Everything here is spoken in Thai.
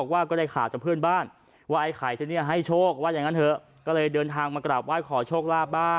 กล้าสามจำข่าวว่ามีไข่ให้โชคให้ลาบที่ก็เลยมาขอโชคขอลาบค่ะ